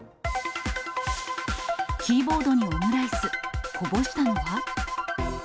キーボードにオムライス、こぼしたのは？